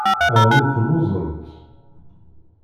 Ɛni telluẓemt?